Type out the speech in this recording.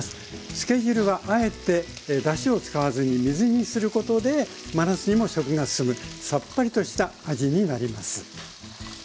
つけ汁はあえてだしを使わずに水にすることで真夏にも食が進むさっぱりとした味になります。